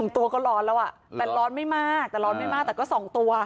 ตัวก็ร้อนแล้วแต่ร้อนไม่มากแต่ร้อนไม่มากแต่ก็๒ตัว